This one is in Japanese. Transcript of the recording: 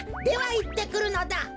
ではいってくるのだ。